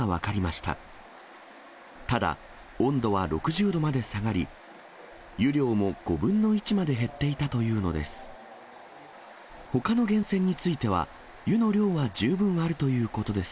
ただ、温度は６０度まで下がり、湯量も５分の１まで減っていたというのです。